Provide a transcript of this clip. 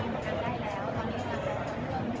พี่แม่ที่เว้นได้รับความรู้สึกมากกว่า